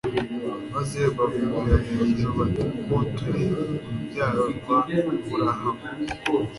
maze bavugira hejuru bati: "Ko turi urubyaro rwa Aburahamu,